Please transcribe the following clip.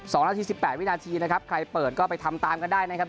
สองนาทีสิบแปดวินาทีนะครับใครเปิดก็ไปทำตามกันได้นะครับ